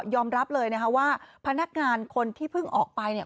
อมรับเลยนะคะว่าพนักงานคนที่เพิ่งออกไปเนี่ย